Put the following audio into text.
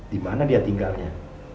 di mana dia tinggalnya